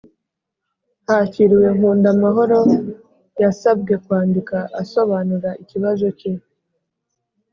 Hakiriwe Nkundamahoro yasabwe kwandika asobanura ikibazo cye